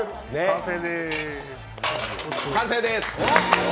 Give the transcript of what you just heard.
完成です。